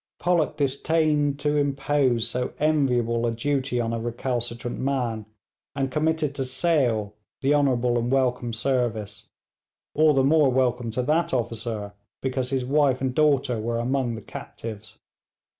Pollock disdained to impose so enviable a duty on a recalcitrant man, and committed to Sale the honourable and welcome service all the more welcome to that officer because his wife and daughter were among the captives.